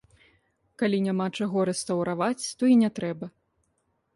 Калі няма чаго рэстаўраваць, то і не трэба.